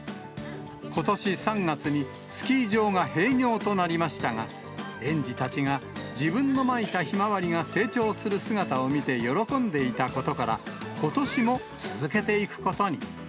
ことし３月にスキー場が閉業となりましたが、園児たちが、自分のまいたヒマワリが成長する姿を見て喜んでいたことから、ことしも続けていくことに。